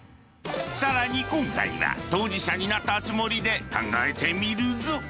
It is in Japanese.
更に今回は当事者になったつもりで考えてみるぞ。